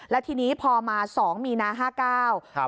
และทีนี้พอมา๒มีนา๕๙